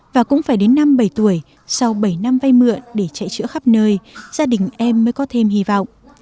và cũng phải đến năm bảy tuổi sau bảy năm vay mượn để chạy chữa khắp nơi gia đình em mới có thêm hy vọng